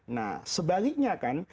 nah sebaliknya kan